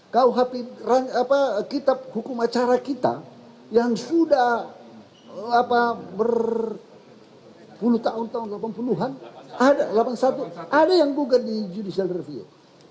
kuhp kitab hukum acara kita yang sudah berpuluh tahun tahun delapan puluh an ada yang gugat di judicial review